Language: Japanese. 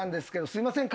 すいません。